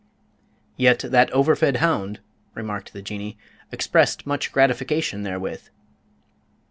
"Yet that overfed hound," remarked the Jinnee, "expressed much gratification therewith."